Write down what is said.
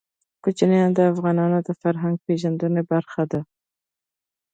کوچیان د افغانانو د فرهنګي پیژندنې برخه ده.